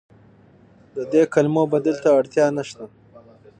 د دې کلمو بدیل ته اړتیا نشته.